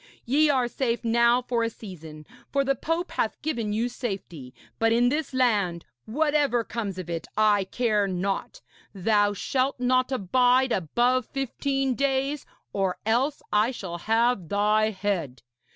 Ye are safe now for a season, for the pope hath given you safety, but in this land whatever comes of it I care not thou shalt not abide above fifteen days, or else I shall have thy head.